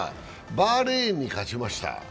バーレーンに勝ちました。